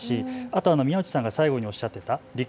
あと宮内さんが最後におっしゃっていた力